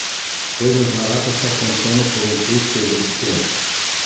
Coisas baratas só funcionam por um curto período de tempo.